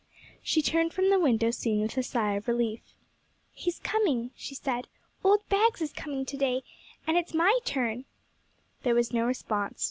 She turned from the window soon with a sigh of relief. 'He's coming,' she said, 'old Bags is coming, and it's my turn to day.' There was no response.